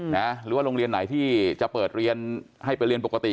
หรือโรงเรียนไหนที่จะเปิดให้ไปเรียนปกติ